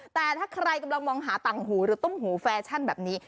แต่ถ้าใครกำลังมองหาตังค์หูแฟชั่นแบบนี้